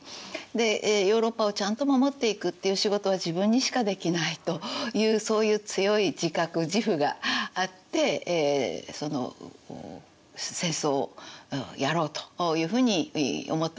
でヨーロッパをちゃんと守っていくっていう仕事は自分にしかできないというそういう強い自覚自負があって戦争をやろうというふうに思ったわけです。